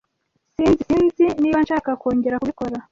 S Sinzi Sinzi niba nshaka kongera kubikora.